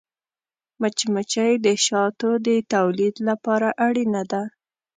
مچمچۍ د شاتو د تولید لپاره اړینه ده